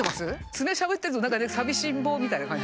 ツメしゃぶってると何かね寂しん坊みたいな感じ。